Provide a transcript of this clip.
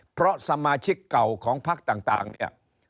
เพราะสมาชิกเก่าของพักต่างเนี่ย